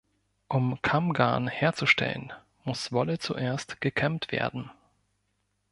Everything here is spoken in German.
Um Kammgarn herzustellen, muss Wolle zuerst gekämmt werden.